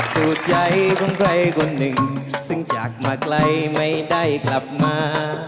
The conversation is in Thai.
หัวใจของใครคนหนึ่งซึ่งจากมาไกลไม่ได้กลับมา